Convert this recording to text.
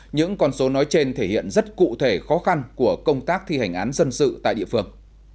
những con số nói trên thể hiện rất cụ thể khó khăn của công tác thi hành án dân sự tại địa phương